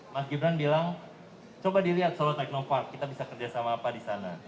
mas gibran bilang coba dilihat solo technopark kita bisa kerjasama apa di sana